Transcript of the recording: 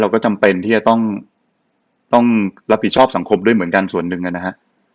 ก็จำเป็นที่จะต้องรับผิดชอบสังคมด้วยเหมือนกันส่วนหนึ่งนะฮะ